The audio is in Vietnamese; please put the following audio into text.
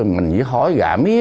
mình chỉ hỏi gã mía